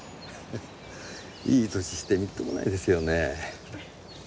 いい歳してみっともないですよね。